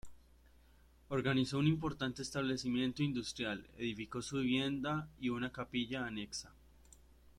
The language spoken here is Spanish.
Organizó un importante establecimiento industrial, edificó su vivienda y una capilla anexa.